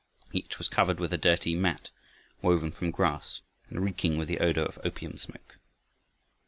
Each was covered with a dirty mat woven from grass and reeking with the odor of opium smoke.